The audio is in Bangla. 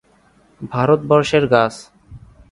ভারতবর্ষের গাছ।